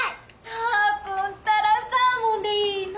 ターくんたらサーモンでいいの？